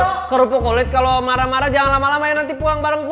eh koro koro kalau marah marah jangan lama lama ya nanti pulang bareng gue